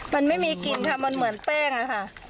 มันไม่มีกลิ่นค่ะมันเหมือนแป้งอะค่ะ